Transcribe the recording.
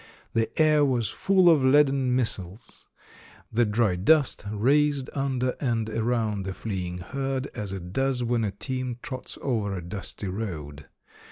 The air was full of leaden missiles; the dry dust raised under and around the fleeing herd as it does when a team trots over a dusty road.